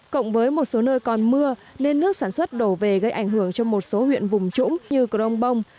cộng với một số nơi còn mưa nên nước sản xuất đổ về gây ảnh hưởng cho một số huyện vùng trũng như crong bông